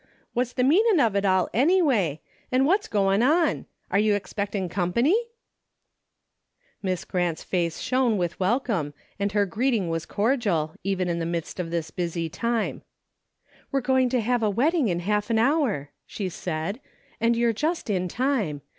What's the meanin' of it all ennyway, an' what's goin' on ? Are you expectin' company ?" Miss Grant's face shone with welcome and her greeting was cordial, even in the midst of this busy time. DAILY RATEV 343 "We're going to have a wedding in half an hour," she said, " and you're just in time.